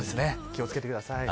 気を付けてください。